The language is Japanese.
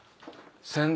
先代？